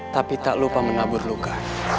tapi tak lupa menabur luka